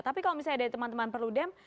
tapi kalau misalnya dari teman teman perludem